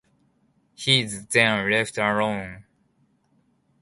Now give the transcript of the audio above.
He is then left alone.